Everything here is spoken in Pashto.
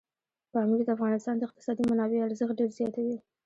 پامیر د افغانستان د اقتصادي منابعو ارزښت ډېر زیاتوي.